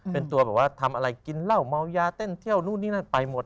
เป็นตัวแบบว่าทำอะไรกินเหล้าเมายาเต้นเที่ยวนู่นนี่นั่นไปหมด